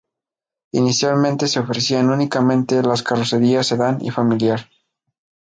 Inicialmente se ofrecían únicamente las carrocerías sedán y familiar.